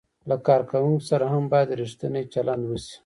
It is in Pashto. له کارکوونکو سره هم باید ریښتینی چلند وشي.